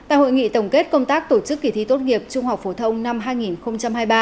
tại hội nghị tổng kết công tác tổ chức kỳ thi tốt nghiệp trung học phổ thông năm hai nghìn hai mươi ba